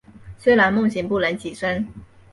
虽然梦醒不忍起身